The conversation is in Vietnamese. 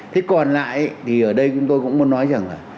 thế còn lại thì ở đây chúng tôi cũng muốn nói rằng là